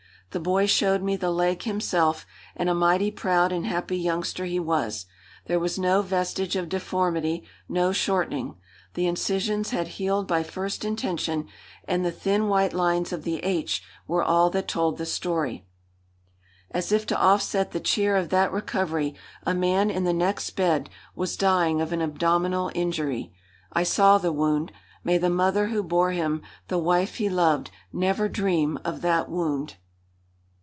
The boy showed me the leg himself, and a mighty proud and happy youngster he was. There was no vestige of deformity, no shortening. The incisions had healed by first intention, and the thin, white lines of the H were all that told the story. As if to offset the cheer of that recovery, a man in the next bed was dying of an abdominal injury. I saw the wound. May the mother who bore him, the wife he loved, never dream of that wound!